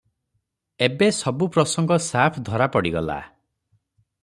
ଏବେ ସବୁ ପ୍ରସଙ୍ଗ ସାଫ ଧରା ପଡିଗଲା ।"